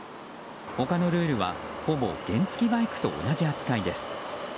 他のルールはほぼ原付きバイクと同じ扱いです。